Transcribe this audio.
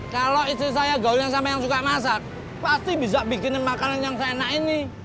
kalau istri saya goyang sama yang suka masak pasti bisa bikinin makanan yang seenak ini